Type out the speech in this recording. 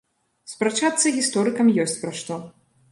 Спрачацца гісторыкам ёсць пра што.